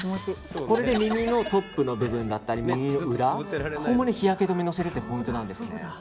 これで耳のトップの部分だったり耳の裏に日焼け止めをのせるのがポイントなんですね。